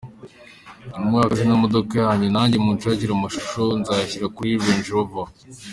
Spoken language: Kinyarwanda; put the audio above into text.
Mumwamamaze ku mamodoka yanyu, nanjye munshakire amashusho nzashyira kuri Range Rover”.